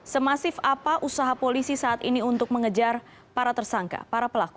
semasif apa usaha polisi saat ini untuk mengejar para tersangka para pelaku